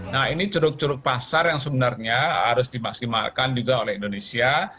nah ini ceruk curug pasar yang sebenarnya harus dimaksimalkan juga oleh indonesia